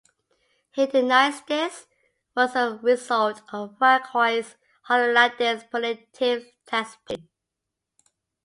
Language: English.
He denies this was as a result of Francois Hollande's punitive tax policy.